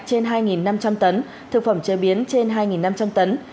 trên hai năm trăm linh tấn thực phẩm chế biến trên hai năm trăm linh tấn